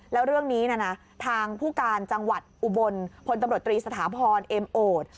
แล้วเรื่องนี้นะทางผู้การจังหวัดอุบลพตศพเอ็มโอด